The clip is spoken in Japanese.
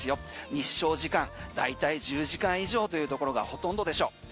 日照時間大体１０時間以上というところがほとんどでしょう。